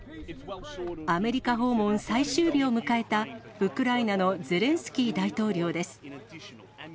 アメリカ訪問最終日を迎えたウクライナのゼレンスキー大統領です。